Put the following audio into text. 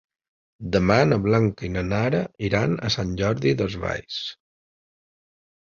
Demà na Blanca i na Nara iran a Sant Jordi Desvalls.